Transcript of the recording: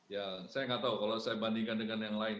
ya saya nggak tahu kalau saya bandingkan dengan yang lain